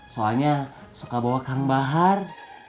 soalnya suka bawa kang bahar